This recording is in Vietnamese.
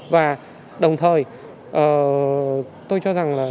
và đồng thời tôi cho rằng là